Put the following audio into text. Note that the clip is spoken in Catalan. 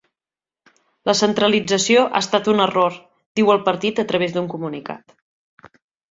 La centralització ha estat un error, diu el partit a través d’un comunitat.